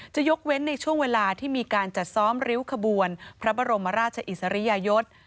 จะยกเว้นในช่วงเวลาที่มีการจัดซ้อมริ้วขบวนพระบรมราชอิสริยยศ